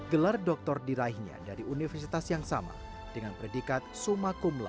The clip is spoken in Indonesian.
gelar doktor diraihnya dari universitas yang sama dengan predikat summa cum laude atau sempurna